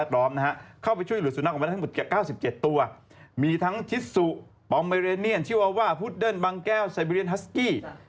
ตัวมีทั้งชิสสุปอมเมริเนียนชิวาว่าพุดเดิ้นบังแก้วไซบิเรียนฮัสกี้